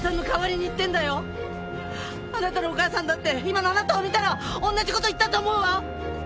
あなたのお母さんだって今のあなたを見たら同じ事言ったと思うわ。